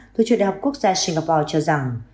thủ chức đại học quốc gia singapore cho rằng